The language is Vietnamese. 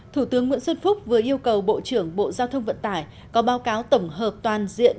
thủ tướng nguyễn xuân phúc vừa yêu cầu bộ trưởng bộ giao thông vận tải có báo cáo tổng hợp toàn diện